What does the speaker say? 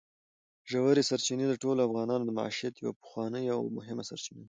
ژورې سرچینې د ټولو افغانانو د معیشت یوه پخوانۍ او مهمه سرچینه ده.